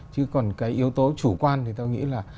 chứ còn cái yếu tố chủ quan thì tôi nghĩ là